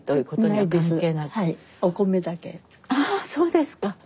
ああそうですか。